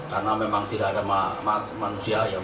karena memang tidak ada manusia